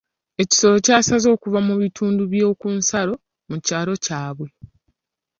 Ekisolo kyasaze okuva mu bitundu by'oku nsalo mu kyalo kyabwe.